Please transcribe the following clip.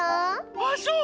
あっそう？